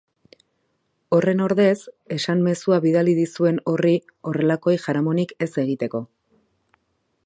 Horren ordez, esan mezua bidali dizuen horri horrelakoei jaramonik ez egiteko.